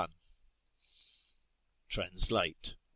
TRANSLATE 1.